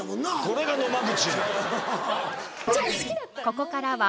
これが野間口。